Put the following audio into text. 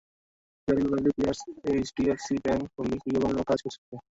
Fair and Lovely, Pears, HDFC bank, হরলিকসের বিজ্ঞাপনেও কাজ করেছে সে।